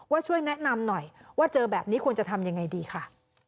ช่วยแนะนำหน่อยว่าเจอแบบนี้ควรจะทำยังไงดีค่ะ